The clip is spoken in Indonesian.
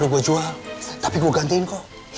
orang untuk bersetujuan itu metre pesikalu nuevo